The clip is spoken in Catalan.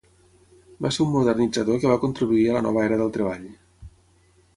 Va ser un modernitzador que va contribuir a la nova era del treball.